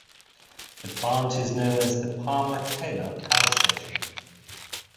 The plant is known as the Palmer-Taylor Power Station.